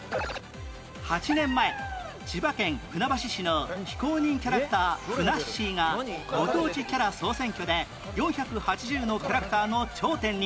８年前千葉県船橋市の非公認キャラクターふなっしーがご当地キャラ総選挙で４８０のキャラクターの頂点に